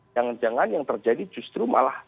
jangan jangan yang terjadi justru malah